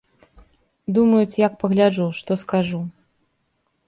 Думаюць, як пагляджу, што скажу.